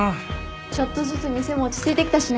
ちょっとずつ店も落ち着いてきたしね。